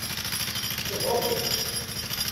Ṣebbṛet-t.